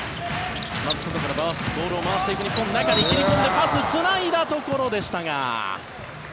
まず外からボールを回していく日本中へ切り込んでパスをつないでいったところでしたが。